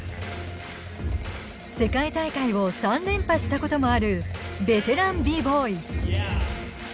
世界大会を３連覇したこともあるベテランＢ−Ｂｏｙ。